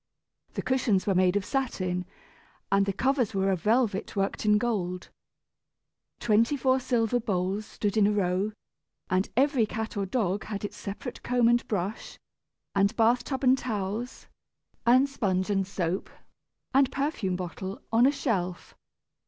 The cushions were made of satin, and the covers were of velvet worked in gold. Twenty four silver bowls stood in a row, and every cat or dog had its separate comb and brush, and bath tub and towels, and sponge and soap, and perfume bottle, on a shelf.